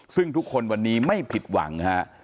ซึ่งทุกคนวันนี้ไม่ผิดหวังฮะ